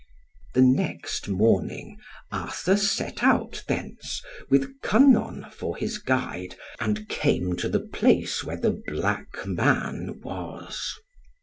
The next morning, Arthur set out thence, with Kynon for his guide, and came to the place where the black man was.